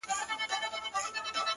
اوس هيڅ خبري مه كوی يارانو ليـونيانـو!